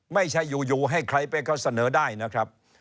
ไม่ใช่อยู่ให้ใครไปเขาเสนอได้นะครับ